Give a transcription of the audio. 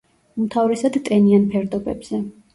უმთავრესად ტენიან ფერდობებზე.